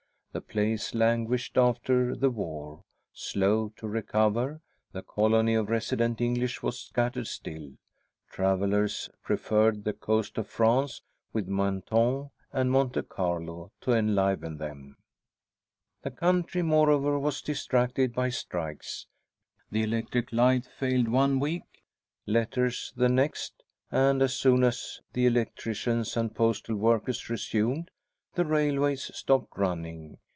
The place languished after the war, slow to recover; the colony of resident English was scattered still; travellers preferred the coast of France with Mentone and Monte Carlo to enliven them. The country, moreover, was distracted by strikes. The electric light failed one week, letters the next, and as soon as the electricians and postal workers resumed, the railways stopped running.